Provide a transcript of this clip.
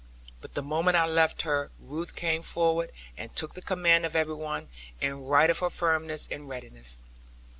But the moment I left her Ruth came forward and took the command of every one, in right of her firmness and readiness.